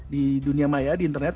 di dunia maya di internet